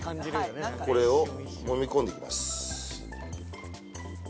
これをもみ込んでいきます